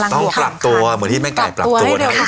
ต้องปรับตัวเหมือนที่แม่ไก่ปรับตัวเนี่ย